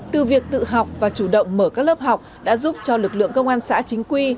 từ việc tự học và chủ động mở các lớp học đã giúp cho lực lượng công an xã chính quy